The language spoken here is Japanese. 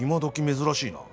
珍しいな。